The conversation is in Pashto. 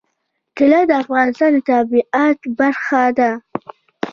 طلا د افغانستان د طبیعت برخه ده.